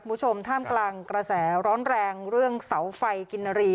คุณผู้ชมท่ามกลางกระแสร้อนแรงเรื่องเสาไฟกินรี